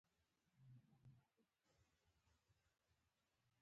د څو ستورو په لاسو کې